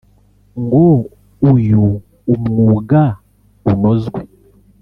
ngo uyu umwuga unozwe